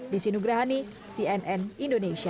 di sinugrahani cnn indonesia